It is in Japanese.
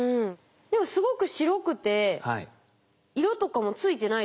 でもすごく白くて色とかも付いてないですね。